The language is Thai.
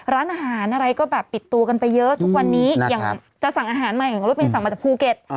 ร้านอาหารอะไรก็แบบปิดตัวกันไปเยอะทุกวันนี้อย่างจะสั่งอาหารใหม่อย่างรถเมนสั่งมาจากภูเก็ต